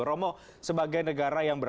romo sebagai negara yang